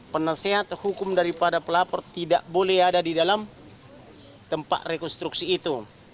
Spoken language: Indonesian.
penasehat hukum daripada pelapor tidak boleh ada di dalam tempat rekonstruksi itu